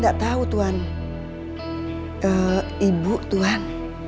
ke ibu tuhan